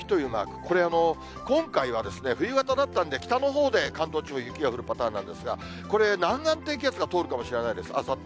これ、今回は冬型だったんで、北のほうで関東地方、雪が降るパターンなんですが、これ、南岸低気圧が通るかもしれないです、あさって。